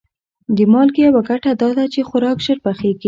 د مالګې یوه ګټه دا ده چې خوراک ژر پخیږي.